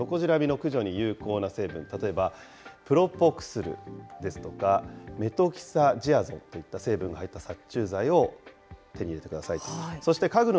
市販されている殺虫剤のうち、トコジラミの駆除に有効な成分、例えばプロポクスルですとか、メトキサジアゾンといった成分が入った殺虫剤を手に入れてください。